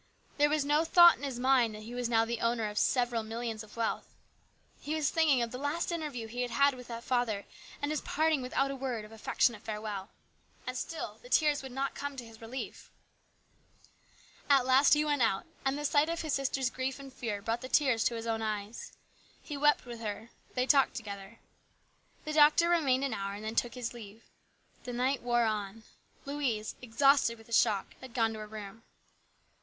There was no thought in his mind that he was now the owner of several millions of wealth. He was thinking of the last interview he had with that father and his parting without a word of affectionate fare well. And still the tears would not come to his relief. At last he went out, and the sight of his sister's grief and fear brought the tears to his own eyes. He wept with her. They talked together. The doctor remained an hour and then took his leave. The night wore on. Louise, exhausted with the shock, had gone to her room.